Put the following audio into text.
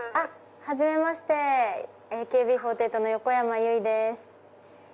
はじめましてＡＫＢ４８の横山由依です。